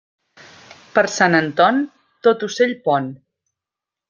Per Sant Anton, tot ocell pon.